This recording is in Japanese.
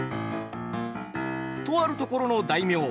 とあるところの大名。